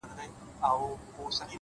• ما پردی ملا لیدلی په محراب کي ځړېدلی,